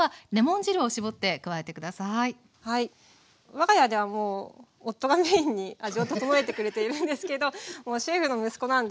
我が家ではもう夫がメインに味を調えてくれているんですけどもうシェフの息子なんでもう。